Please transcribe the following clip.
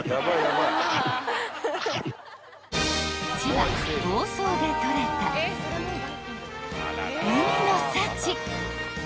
［千葉房総で取れた海の幸］